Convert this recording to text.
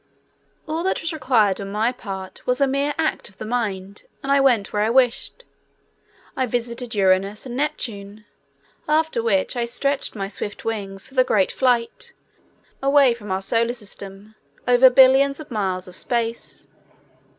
All that was required on my part was a mere act of the mind, and I went where I wished. I visited Uranus and Neptune, after which I stretched my swift wings for the great flight, away from our Solar System, over billions of miles of space.